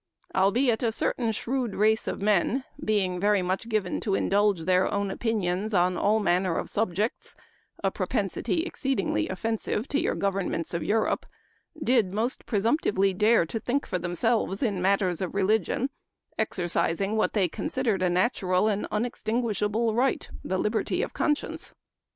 64 Memoir of Washington Irving. " Albeit a certain shrewd race of men, being very much given to indulge their own opinions on all manner of subjects, (a propensity exceed ingly offensive to your governments of Europe,) did most presumptuously dare to think for themselves in matters of religion, exercising what they considered a natural and unextin guishable right, the liberty of conscience.